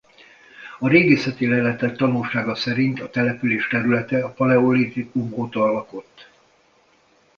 A régészeti leletek tanúsága szerint a település területe a paleolitikum óta lakott.